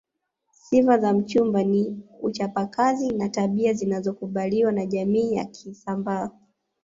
Sifa za mchumba ni uchapa kazi na tabia zinazokubaliwa na jamii ya kisambaa